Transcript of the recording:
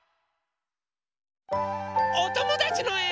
おともだちのえを。